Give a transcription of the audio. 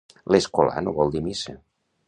L'escolà no vol dir missa.